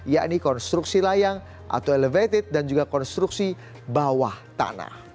yakni konstruksi layang atau elevated dan juga konstruksi bawah tanah